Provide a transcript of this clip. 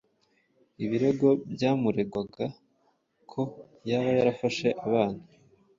ibirego byamuregwaga ko yaba yarafashe abana